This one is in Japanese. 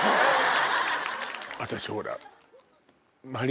私ほら。